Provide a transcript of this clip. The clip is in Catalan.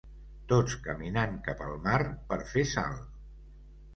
Tots caminant cap al mar per fer sal.